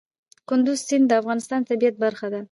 کندز سیند د افغانستان د طبیعت برخه ده.